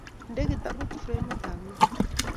Inde kitabut framit ab ngweny